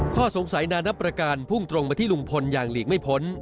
ข้อสงสัยนานับประการพุ่งตรงมาที่ลุงพลอย่างหลีกไม่พ้น